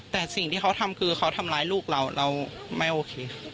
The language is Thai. แต่สิ่งที่เขาทำคือเขาทำร้ายลูกเราเราไม่โอเค